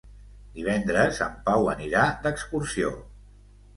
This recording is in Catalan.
Divendres en Pau anirà d'excursió.